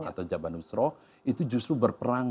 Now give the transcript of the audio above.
atau jabah nusroh itu justru berperang